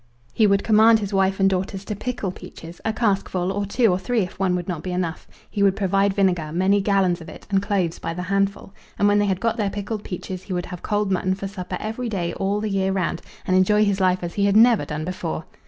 He would command his wife and daughters to pickle peaches a cask full, or two or three if one would not be enough. He would provide vinegar many gallons of it, and cloves by the handful. And when they had got their pickled peaches he would have cold mutton for supper every day all the year round, and enjoy his life as he had never done before!